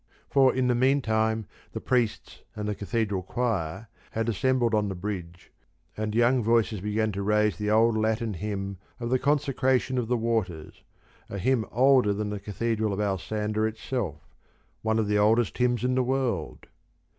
For in the meantime the priests and the Cathedral choir had assembled on the bridge and young voices began to raise the old Latin hymn of the Consecration of the Waters, a hymn older than the Cathedral of Alsander itself, one of the oldest hymns in the world.